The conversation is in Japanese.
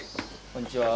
こんにちは。